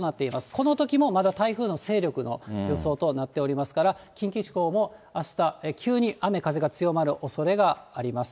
このときもまだ台風の勢力の予想となっておりますから、近畿地方もあした、急に雨風が強まるおそれがあります。